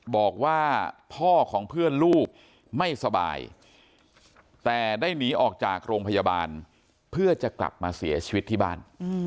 บอกว่าพ่อของเพื่อนลูกไม่สบายแต่ได้หนีออกจากโรงพยาบาลเพื่อจะกลับมาเสียชีวิตที่บ้าน